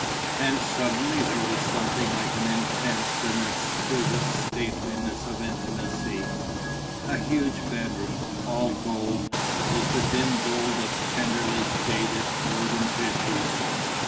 And suddenly there was something like an intense and exquisite stateliness of intimacy: a huge bedroom, all gold, with the dim gold of tenderly faded golden tissues.